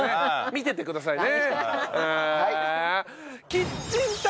見ててくださいね。